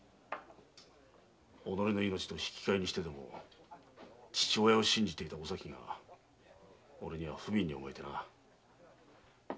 己の命と引き換えにしてでも父親を信じていたおさきが俺には不憫に思えてな。